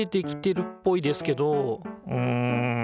うん。